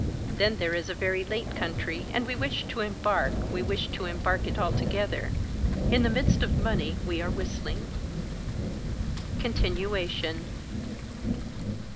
Then there is a very late country and we wish to embark we wish to embark it altogether. In the midst of money we are whistling. Continuation.